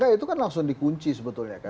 itu kan langsung dikunci sebetulnya kan